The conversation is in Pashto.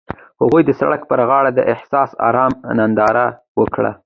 هغوی د سړک پر غاړه د حساس آرمان ننداره وکړه.